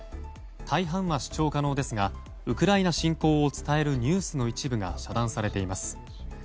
大半は視聴可能ですがウクライナ侵攻を伝えるニュースの一部が遮断されています。